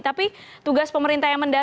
tapi tugas pemerintah yang mendasar